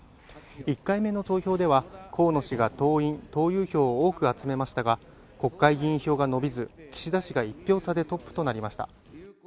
１回目の投票では、河野氏が党員党友票を多く集めましたが、国会議員票が伸びず、岸田氏が１票差でトップとなりました。